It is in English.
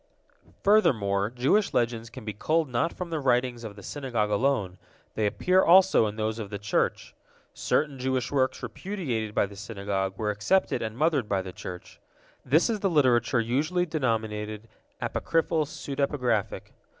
Furthermore, Jewish legends can be culled not from the writings of the Synagogue alone; they appear also in those of the Church. Certain Jewish works repudiated by the Synagogue were accepted and mothered by the Church. This is the literature usually denominated apocryphal pseudepigraphic.